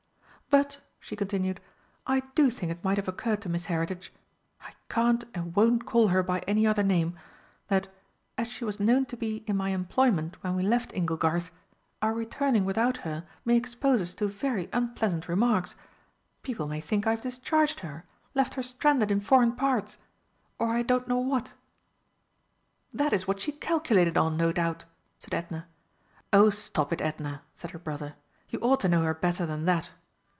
"But," she continued, "I do think it might have occurred to Miss Heritage I can't and won't call her by any other name that, as she was known to be in my employment when we left 'Inglegarth,' our returning without her may expose us to very unpleasant remarks. People may think I've discharged her left her stranded in foreign parts or I don't know what!" "That is what she calculated on, no doubt!" said Edna. "Oh, stop it, Edna!" said her brother, "you ought to know her better than that!"